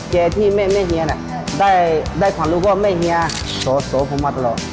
ที่แม่เฮียน่ะได้ความรู้ว่าแม่เฮียสอดโสผมมาตลอด